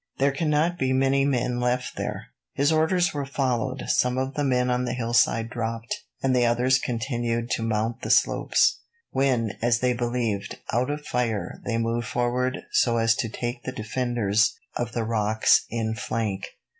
There cannot be many men left there." His orders were followed. Some of the men on the hillside dropped, and the others continued to mount the slopes. When, as they believed, out of fire, they moved forward so as to take the defenders of the rocks in flank.